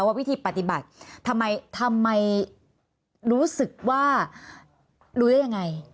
ว่าวิธีปฏิบัติทำไมรู้สึกว่ารู้ได้อย่างไร